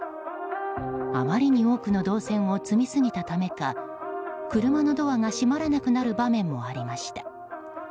あまりに多くの銅線を積み過ぎたためか車のドアが閉まらなくなる場面もありました。